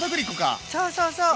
そうそうそう！